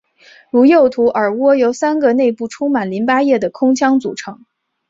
如右图耳蜗由三个内部充满淋巴液的空腔组成。